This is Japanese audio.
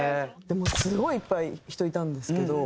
もうすごいいっぱい人いたんですけど。